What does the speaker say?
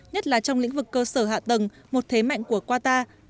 nhất là trong lĩnh vực cơ sở hạ tầng một thế mạnh của qatar